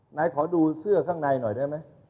ไหนขอดูเสื้อข้างในหน่อยได้ไหม